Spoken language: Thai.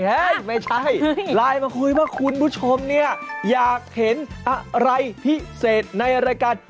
ไม่ใช่ไลน์มาคุยว่าคุณผู้ชมเนี่ยอยากเห็นอะไรพิเศษในรายการ